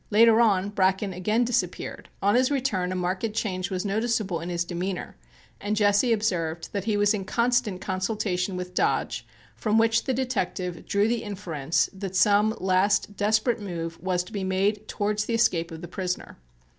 Later on Bracken again disappeared. On his return a marked change was noticeable in his demeanor and Jesse observed that he was in constant consultation with Dodge, from which the detective drew the inference that some last desperate move was to be made towards the escape of the prisoner.